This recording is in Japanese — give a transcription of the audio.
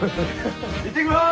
行ってきます！